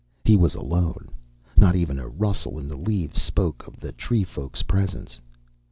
He was alone. Not even a rustle in the leaves spoke of the tree folk's presence.